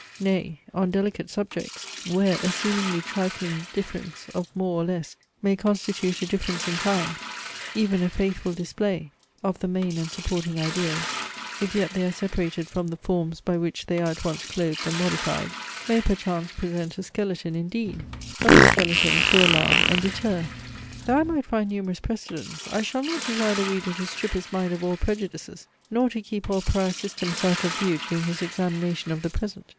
Nay, on delicate subjects, where a seemingly trifling difference of more or less may constitute a difference in kind, even a faithful display of the main and supporting ideas, if yet they are separated from the forms by which they are at once clothed and modified, may perchance present a skeleton indeed; but a skeleton to alarm and deter. Though I might find numerous precedents, I shall not desire the reader to strip his mind of all prejudices, nor to keep all prior systems out of view during his examination of the present.